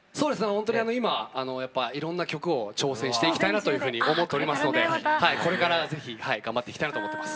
ほんとに今いろんな曲を挑戦していきたいなというふうに思っておりますのでこれから是非頑張っていきたいなと思ってます。